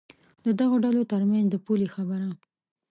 د دغو ډلو تر منځ د پولې خبره.